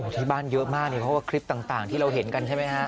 ที่บ้านเยอะมากเพราะว่าคลิปต่างที่เราเห็นกันใช่ไหมฮะ